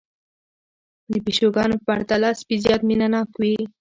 د پيشوګانو په پرتله سپي زيات مينه ناک وي